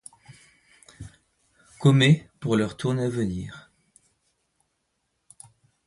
Comet pour leur tournée à venir.